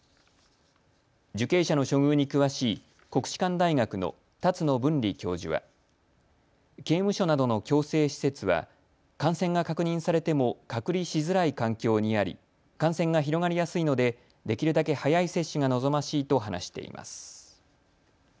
受刑者の処遇に詳しい国士舘大学の辰野文理教授は刑務所などの矯正施設は感染が確認されても隔離しづらい環境にあり、感染が広がりやすいのでできるだけ早い接種が望ましいと話しています。